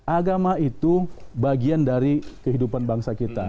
agama itu bagian dari kehidupan bangsa kita